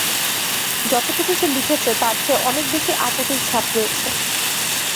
যতটুকু সে লিখেছে তার চেয়ে অনেক বেশি আকুতির ছাপ রয়েছে।